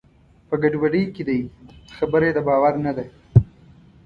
په ګډوډۍ کې دی؛ خبره یې د باور نه ده.